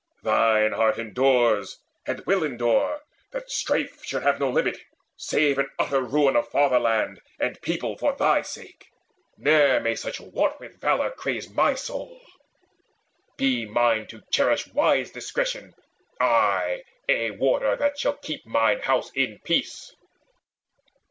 Thine heart endures, and will endure, that strife Should have no limit, save in utter ruin Of fatherland and people for thy sake! Ne'er may such wantwit valour craze my soul! Be mine to cherish wise discretion aye, A warder that shall keep mine house in peace."